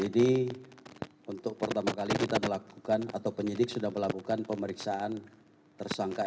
ini untuk pertama kali kita melakukan atau penyidik sudah melakukan pemeriksaan tersangka